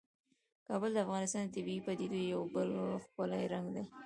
کابل د افغانستان د طبیعي پدیدو یو بل ښکلی رنګ دی.